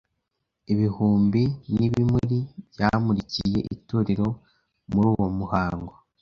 Ibihumbi n'ibimuri byamurikiye itorero muri uwo muhango.